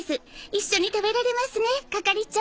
一緒に食べられますね係長。